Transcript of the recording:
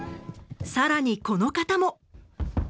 更にこの方も。